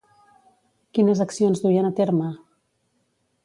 Quines accions duien a terme?